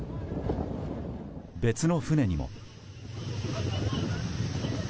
別の船にも。